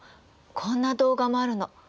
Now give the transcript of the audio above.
こんな動画もあるの。